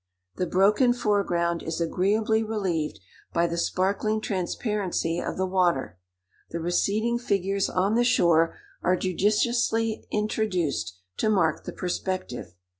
The broken foreground is agreeably relieved by the sparkling transparency of the water: the receding figures on the shore are judiciously introduced to mark the perspective.